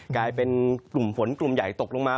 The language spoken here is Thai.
กลายเป็นกลุ่มฝนกลุ่มใหญ่ตกลงมา